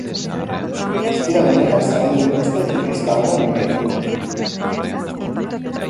Ostiral honetan zabaldu dituzte inkesta horren emaitzak.